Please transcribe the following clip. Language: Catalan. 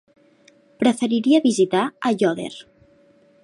Preferiria visitar Aiòder.